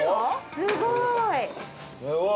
すごい！